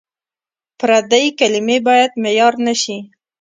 پردۍ کلمې باید معیار نه شي.